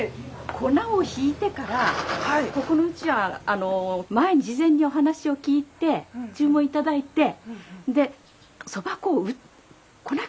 粉をひいてからここのうちは事前にお話を聞いて注文頂いてでそば粉を粉からひくんですよ。